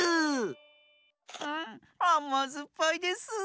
あまずっぱいです。